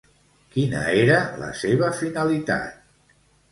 Quina era la seva finalitat?